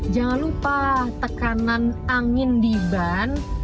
jangan lupa tekanan angin di ban